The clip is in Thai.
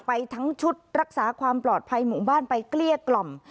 ไปทั้งชุดรักษาความปลอดภัยหมู่บ้านไปเกลี้ยกล่อม